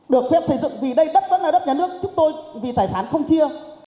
được phép xây dựng vì đây đất rất là đất nhà nước chúng tôi vì tài sản không chia